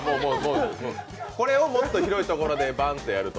これをもっと広い所でバンとやると。